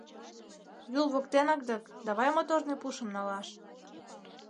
Юл воктенак дык, давай моторный пушым налаш.